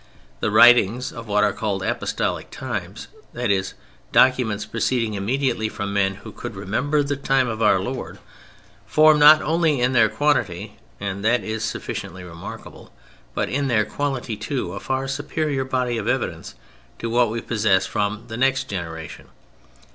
The writings of what are called "Apostolic" times—that is, documents proceeding immediately from men who could remember the time of Our Lord, form not only in their quantity (and that is sufficiently remarkable), but in their quality, too, a far superior body of evidence to what we possess from the next generation.